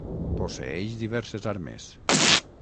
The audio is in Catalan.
Posseeix diverses armes.